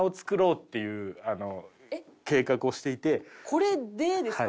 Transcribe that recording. これでですか？